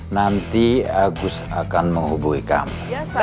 nanti agus akan menghubungi kami